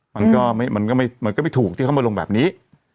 มันก็ไม่ถูกที่เขามาลงแบบนี้